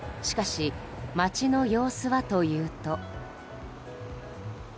しかし街の様子はというと。